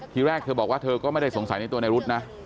ทีแรกเธอบอกว่าเธอก็ไม่ได้สงสัยในตัวในรุ๊ดนะ